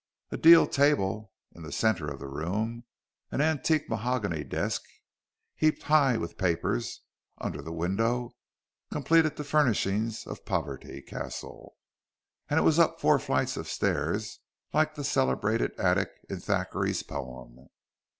A deal table in the centre of the room, an antique mahogany desk, heaped high with papers, under the window, completed the furnishing of Poverty Castle. And it was up four flights of stairs like that celebrated attic in Thackeray's poem.